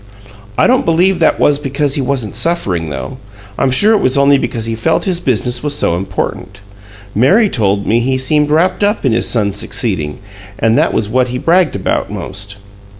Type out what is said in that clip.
"I don't believe that was because he wasn't suffering, though. I'm sure it was only because he felt his business was so important. Mary told me he seemed wrapped up in his son's succeeding; and that was what he bragged about most.